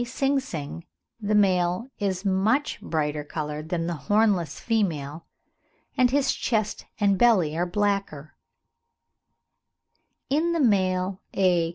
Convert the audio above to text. sing sing the male is much brighter coloured than the hornless female, and his chest and belly are blacker; in the male A.